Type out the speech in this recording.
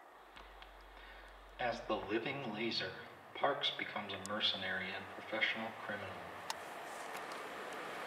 As the "Living Laser", Parks becomes a mercenary and professional criminal.